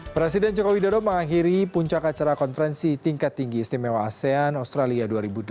presiden jokowi dodo mengakhiri puncak acara konferensi tingkat tinggi istimewa asean australia dua ribu delapan belas